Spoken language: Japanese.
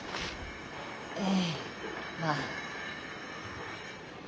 ええまあ。